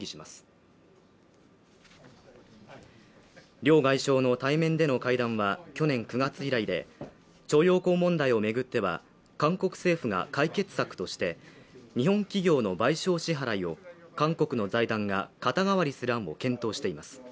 両外相の対面での会談は去年９月以来で徴用工問題をめぐっては韓国政府が解決策として日本企業の賠償支払いを韓国の財団が肩代わりする案も検討しています